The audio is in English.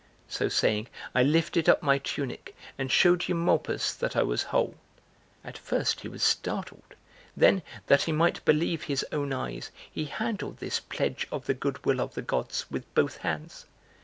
So saying, I lifted up my tunic and showed Eumolpus that I was whole. At first he was startled, then, that he might believe his own eyes, he handled this pledge of the good will of the gods with both hands.